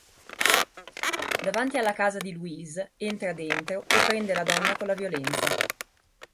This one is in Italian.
Davanti alla casa di Louise, entra dentro e prende la donna con la violenza.